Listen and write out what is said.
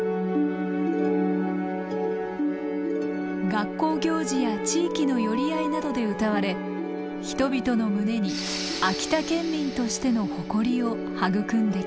学校行事や地域の寄り合いなどで歌われ人々の胸に秋田県民としての誇りを育んできた。